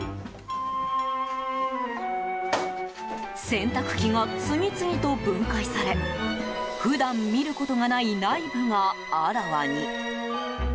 洗濯機が次々と分解され普段見ることがない内部があらわに。